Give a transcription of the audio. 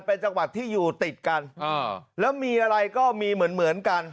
เป็นจังหวัดที่อยู่ติดกันอ่าแล้วมีอะไรก็มีเหมือนกัน